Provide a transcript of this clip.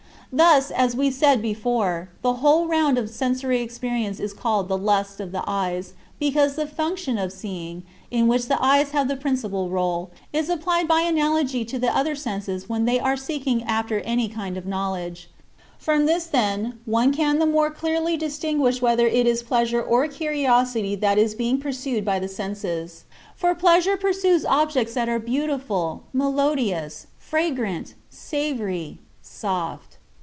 Thus, as we said before, the whole round of sensory experience is called "the lust of the eyes" because the function of seeing, in which the eyes have the principal role, is applied by analogy to the other senses when they are seeking after any kind of knowledge. 55. From this, then, one can the more clearly distinguish whether it is pleasure or curiosity that is being pursued by the senses. For pleasure pursues objects that are beautiful, melodious, fragrant, savory, soft.